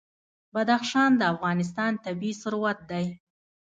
بدخشان د افغانستان طبعي ثروت دی.